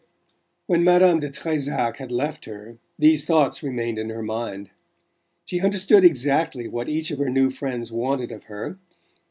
When Madame de Trezac had left her these thoughts remained in her mind. She understood exactly what each of her new friends wanted of her.